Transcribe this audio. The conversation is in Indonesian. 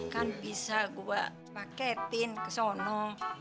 kan bisa gua paketin ke sana